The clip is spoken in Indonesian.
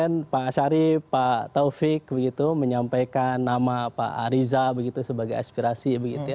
kemudian muncul empat kemudian kemarin pak sarif pak taufik menyampaikan nama pak ariza sebagai aspirasi